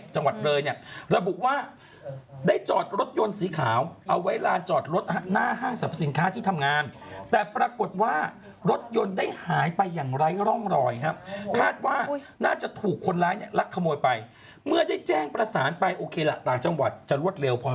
จะรวดเลวพอสมควรไม่เหมือนกับกรุงเทพ